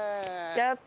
やった！